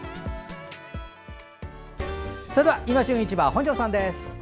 それでは「いま旬市場」本庄さんです。